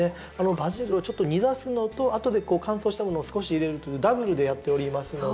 バジルをちょっと煮出すのと後で乾燥したものを少し入れるというダブルでやっておりますので。